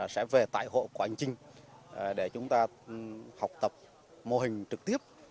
sẽ về tại hộ của anh trinh để chúng ta học tập mô hình trực tiếp